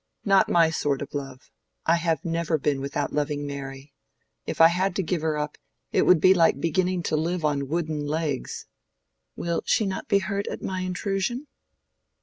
"Not my sort of love: I have never been without loving Mary. If I had to give her up, it would be like beginning to live on wooden legs." "Will she not be hurt at my intrusion?"